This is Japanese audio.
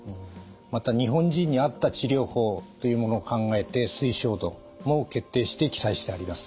また日本人に合った治療法というものを考えて推奨度も決定して記載してあります。